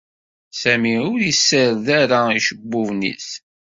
Sami ur i sard ara icebbuben-is.